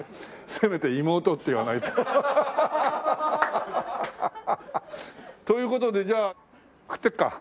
せめて妹って言わないと。という事でじゃあ食っていくか。